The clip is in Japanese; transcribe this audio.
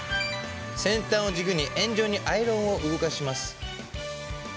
先端を軸に円状にアイロンを動かします。